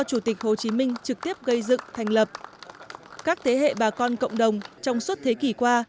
chủ tịch hồ chí minh trực tiếp gây dựng thành lập các thế hệ bà con cộng đồng trong suốt thế kỷ qua